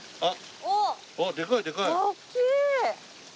あっ。